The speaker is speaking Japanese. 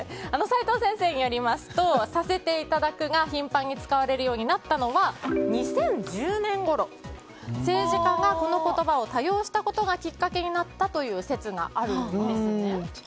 齋藤先生によりますとさせていただくが頻繁に使われるようになったのが２０１０年ごろ、政治家がこの言葉を多用したことがきっかけになったという説があるんですね。